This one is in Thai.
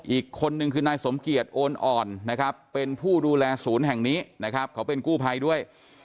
อีกคนนึงคือนายสมเกียจโอนเป็นผู้ดูแลศูนย์แห่งนี้เขาเป็นกู้ภัยด้วย